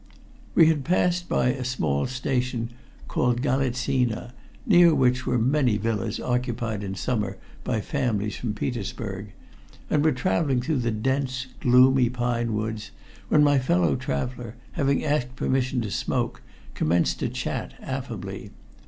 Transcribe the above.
We had passed by a small station called Galitsina, near which were many villas occupied in summer by families from Petersburg, and were traveling through the dense gloomy pine woods, when my fellow traveler, having asked permission to smoke, commenced to chat affably.